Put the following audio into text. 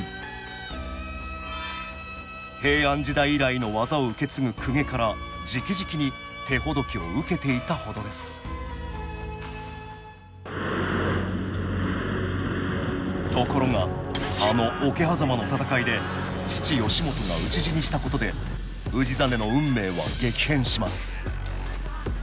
平安時代以来の技を受け継ぐ公家からじきじきに手ほどきを受けていたほどですところがあの桶狭間の戦いで父義元が討ち死にしたことで氏真の運命は激変します